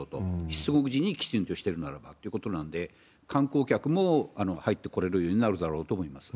出国時にきちんとしてるならばということなんで、観光客も入って来れるようになるだろうと思います。